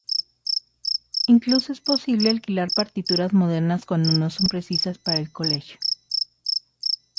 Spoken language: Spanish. Incluso es posible alquilar partituras modernas cuando no son precisas para el College.